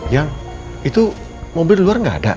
ya itu mobil luar gak ada